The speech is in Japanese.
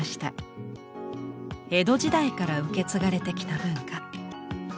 江戸時代から受け継がれてきた文化。